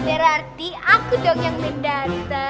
berarti aku doang yang mendata